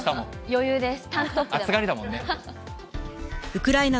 余裕です。